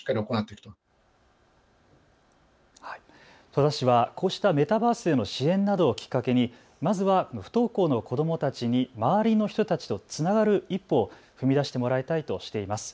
戸田市はこうしたメタバースでの支援などをきっかけにまずは不登校の子どもたちに周りの人たちとつながる一歩を踏み出してもらいたいとしています。